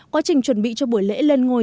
quá trình chuẩn bị cho buổi lễ lên ngôi